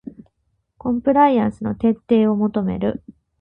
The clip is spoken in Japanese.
コンプライアンスの徹底を求める